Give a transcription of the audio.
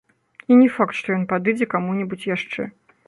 І не факт, што ён падыдзе каму-небудзь яшчэ.